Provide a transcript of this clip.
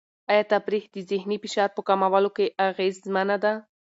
آیا تفریح د ذهني فشار په کمولو کې اغېزمنه ده؟